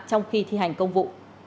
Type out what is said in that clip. trong khi thi hành công vụ